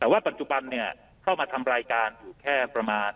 แต่ว่าปัจจุบันเข้ามาทำรายการอยู่แค่ประมาณ